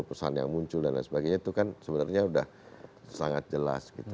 pesan yang muncul dan lain sebagainya itu kan sebenarnya sudah sangat jelas gitu